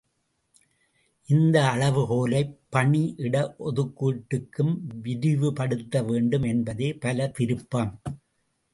இந்த அளவுகோலைப் பணி இட ஒதுக்கீட்டுக்கும் விரிவுபடுத்த வேண்டும் என்பதே பலர் விருப்பம்.